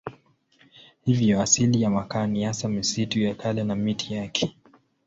Hivyo asili ya makaa ni hasa misitu ya kale na miti yake.